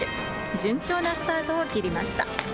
順調なスタートを切りました。